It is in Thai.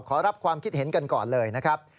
ขอรับความคิดเห็นกันก่อนเลยนะครับ